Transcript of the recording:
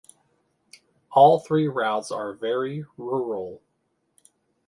All three routes are very rural.